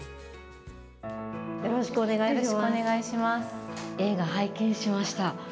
よろしくお願いします。